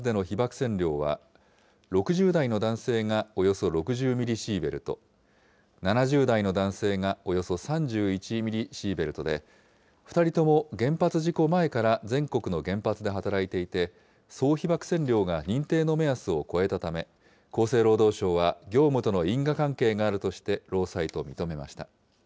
線量は、６０代の男性がおよそ６０ミリシーベルト、７０代の男性がおよそ３１ミリシーベルトで、２人とも原発事故前から全国の原発で働いていて、総被ばく線量が認定の目安を超えたため、厚生労働省は業務との因果関係があるとして、労災と認めました。